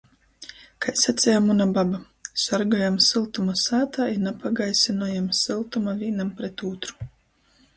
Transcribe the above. Kai saceja muna baba: -Sorgojam syltumu sātā i napagaisynojam syltuma vīnam pret ūtru!!!